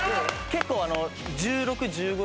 結構。